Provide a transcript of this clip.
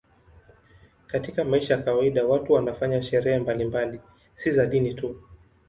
Katika maisha ya kawaida watu wanafanya sherehe mbalimbali, si za dini tu.